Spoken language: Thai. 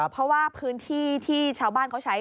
เพราะว่าพื้นที่ที่ชาวบ้านเขาใช้